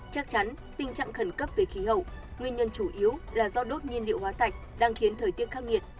chắc chắn tình trạng khẩn cấp về khí hậu nguyên nhân chủ yếu là do đốt nhiên liệu hóa thạch đang khiến thời tiết khắc nghiệt